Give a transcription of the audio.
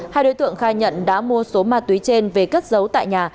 hai đối tượng khai nhận đã mua số ma túy trên về cất giấu tại nhà